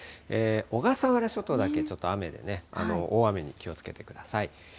小笠原諸島だけちょっと雨でね、大雨に気をつけてください。